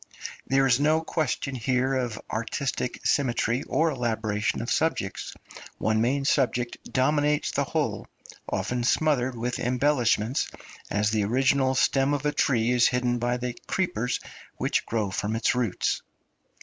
There is no question here of artistic symmetry or elaboration of subjects; one main subject dominates the whole, often smothered with embellishments, as the original stem of a tree is hidden by the creepers which grow from its roots.